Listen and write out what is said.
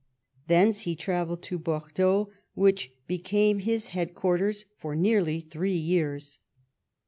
Thence he travelled to Bordeaux, which be came his headquarters for nearly three years.